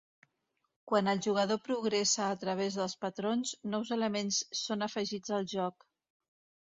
Quan el jugador progressa a través dels patrons, nous elements són afegits al joc.